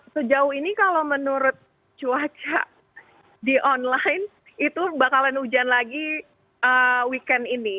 sejauh ini kalau menurut cuaca di online itu bakalan hujan lagi weekend ini